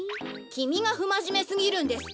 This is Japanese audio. きみがふまじめすぎるんです。